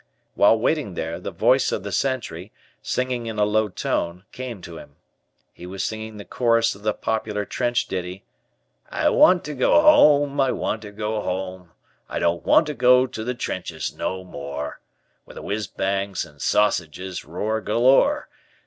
While waiting there, the voice of the sentry, singing in a low tone, came to him. He was singing the chorus of the popular trench ditty: "I want to go home, I want to go home. I don't want to go to the trenches no more. Where the 'whizzbangs' and 'sausages' roar galore.